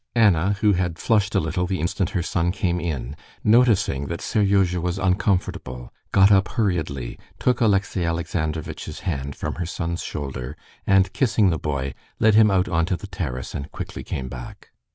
Anna, who had flushed a little the instant her son came in, noticing that Seryozha was uncomfortable, got up hurriedly, took Alexey Alexandrovitch's hand from her son's shoulder, and kissing the boy, led him out onto the terrace, and quickly came back.